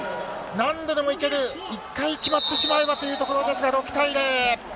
何度でもいける、一回決まってしまえばというところですが、６対０。